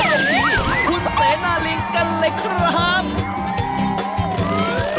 คุณเสน่าลิงกันเลยครับ